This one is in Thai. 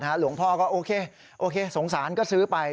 หลวงพ่อก็โอเคโอเคสงสารก็ซื้อไป